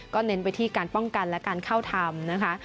เน้นไปที่การป้องกันและการเข้าทำนะคะ